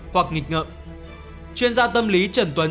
hoặc nghịch ngợm chuyên gia tâm lý trần tuấn